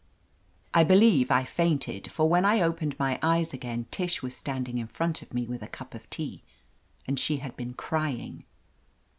I believe I fainted, for when I opened my eyes again Tish was standing in front of me with a cup of tea, and she had been crying.